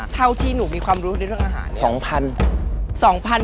เท่าที่หนูมีความรู้ในเรื่องอาหาร